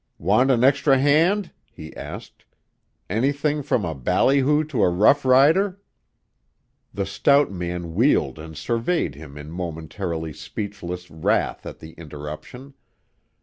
"Want an extra hand?" he asked. "Anything from a ballyhoo to a rough rider?" The stout man wheeled and surveyed him in momentarily speechless wrath at the interruption.